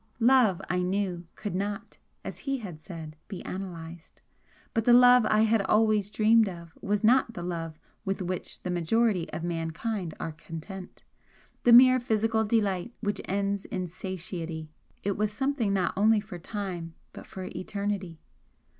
Love, I knew, could not, as he had said, be analysed but the love I had always dreamed of was not the love with which the majority of mankind are content the mere physical delight which ends in satiety. It was something not only for time, but for eternity.